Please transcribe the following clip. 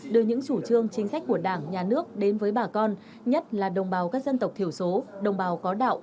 đưa những chủ trương chính sách của đảng nhà nước đến với bà con nhất là đồng bào các dân tộc thiểu số đồng bào có đạo